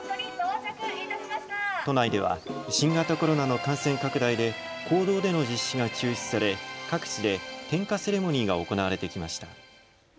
都内では新型コロナの感染拡大で公道での実施が中止され各地で点火セレモニーが行われてきました。